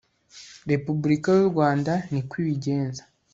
repubulika yurwanda niko ibigenza